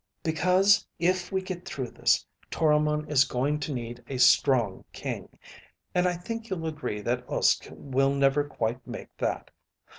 "Because if we get through this, Toromon is going to need a strong king. And I think you'll agree that Uske will never quite make that.